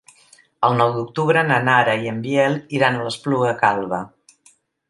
El nou d'octubre na Nara i en Biel iran a l'Espluga Calba.